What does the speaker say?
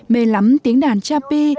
mê lắm tiếng đàn chapi